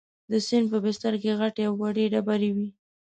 د سیند په بستر کې غټې او وړې ډبرې وې.